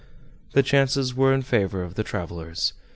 The chances were in favor of the travelers.